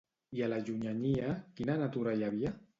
I a la llunyania, quina natura hi havia?